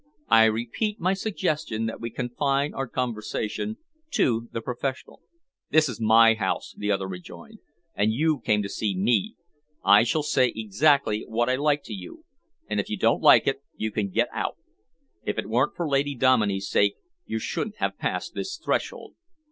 I repeat my suggestion that we confine our conversation to the professional." "This is my house," the other rejoined, "and you came to see me. I shall say exactly what I like to you, and if you don't like it you can get out. If it weren't for Lady Dominey's sake, you shouldn't have passed this threshold."